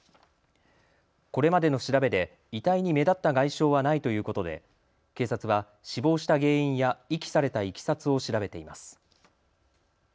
これまでの調べで遺体に目立った外傷はないということで警察は死亡した原因や遺棄されたいきさつを調べています。